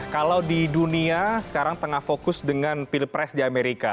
kalau di dunia sekarang tengah fokus dengan pilpres di amerika